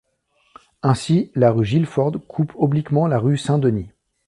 Ainsi, la rue Gilford coupe obliquement la rue Saint-Denis.